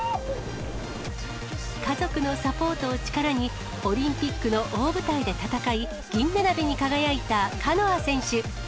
家族のサポートを力に、オリンピックの大舞台で戦い、銀メダルに輝いたカノア選手。